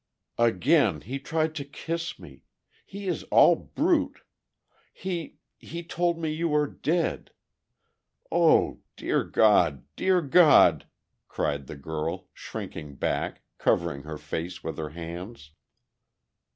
"Again he tried to kiss me.... He is all brute. He ... he told me you were dead.... Oh, dear God, dear God!" cried the girl, shrinking back, covering her face with her hands.